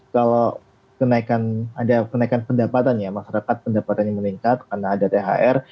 kalau kenaikan ada kenaikan pendapatan ya masyarakat pendapatannya meningkat karena ada thr